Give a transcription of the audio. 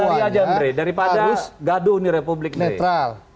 kita kan sepakat bahwa semuanya harus netral